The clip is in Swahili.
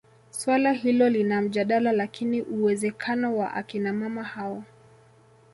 Suala hilo lina mjadala lakini uwezekano wa akina mama hao